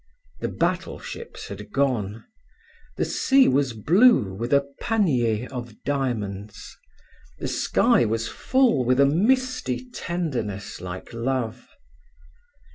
The battleships had gone; the sea was blue with a panier of diamonds; the sky was full with a misty tenderness like love.